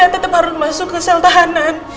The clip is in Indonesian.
kenapa saya tetap harus masuk ke sel tahanan